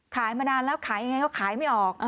มานานแล้วขายยังไงก็ขายไม่ออก